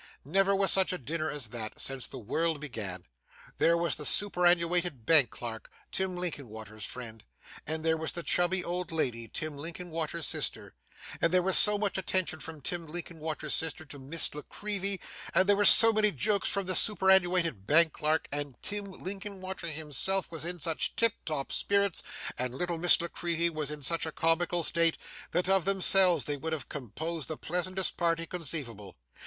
Never was such a dinner as that, since the world began. There was the superannuated bank clerk, Tim Linkinwater's friend; and there was the chubby old lady, Tim Linkinwater's sister; and there was so much attention from Tim Linkinwater's sister to Miss La Creevy, and there were so many jokes from the superannuated bank clerk, and Tim Linkinwater himself was in such tiptop spirits, and little Miss La Creevy was in such a comical state, that of themselves they would have composed the pleasantest party conceivable.